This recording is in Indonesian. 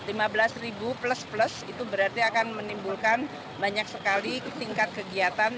ini plus plus itu berarti akan menimbulkan banyak sekali tingkat kegiatan